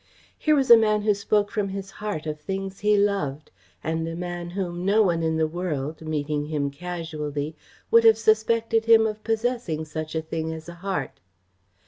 Here was a man who spoke from his heart of things he loved, and a man whom no one in the world, meeting him casually, would have suspected of possessing such a thing as a heart.